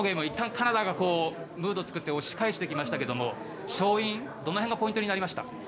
いったんカナダがムードを作っておし返していきましたけれど勝因、どの辺がポイントになりました？